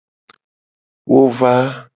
Wo va.